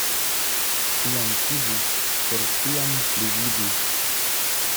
Fianĉiĝis — por ĉiam ligiĝis.